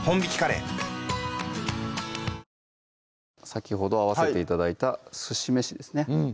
先ほど合わせて頂いたすし飯ですね